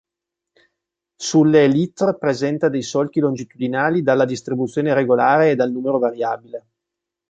Sulle elitre presenta dei solchi longitudinali dalla distribuzione irregolare e dal numero variabile.